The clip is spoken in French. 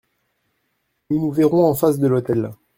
Nous nous verrons en face de l’hôtel.